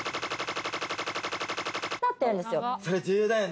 ○○になってるんですよ。